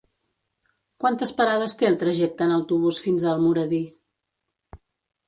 Quantes parades té el trajecte en autobús fins a Almoradí?